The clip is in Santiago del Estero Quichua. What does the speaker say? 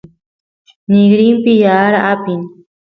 nigrinpi yaar apin